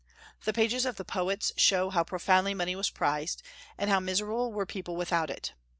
The pages of the poets show how profoundly money was prized, and how miserable were people without it.